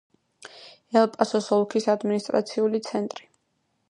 ელ-პასოს ოლქის ადმინისტრაციული ცენტრი.